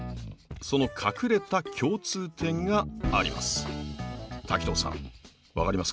その隠れた共通点があります。